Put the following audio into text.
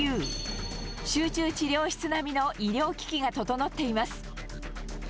集中治療室並みの医療機器が整っています。